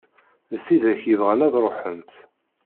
D tidak yebɣan ad ruḥent.